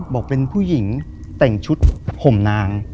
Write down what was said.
บอกเป็นผู้หญิงแต่งชุดห่มนาง